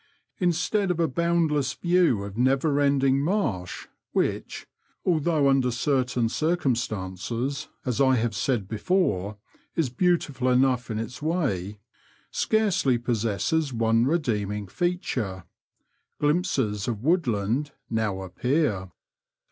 Instead of a boundless view of never ending marsh, which (although under certain circumstances, as I have said before, is beautiful enough in its way) scarcely possesses one redeeming feature, glimpses of woodland now appear.